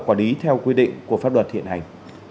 quản lý theo quy định của pháp luật hiện hành